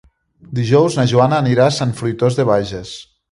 Dijous na Joana anirà a Sant Fruitós de Bages.